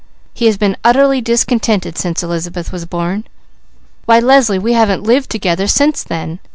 He's been utterly discontented since Elizabeth was born. Why Leslie, we haven't lived together since then.